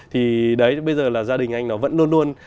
thì đấy bây giờ là gia đình anh nó vẫn luôn luôn